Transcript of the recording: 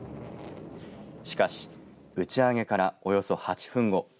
しかし打ち上げからおよそ８分後